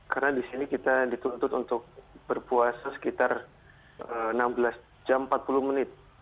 karena di sini kita dituntut untuk berpuasa sekitar enam belas jam empat puluh menit